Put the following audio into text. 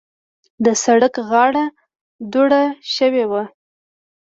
د سړک غاړه دوړه شوې وه.